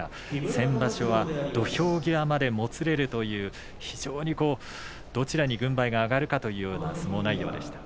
先場所は土俵際までもつれるという非常にどちらに軍配が上がるかというような相撲内容でした。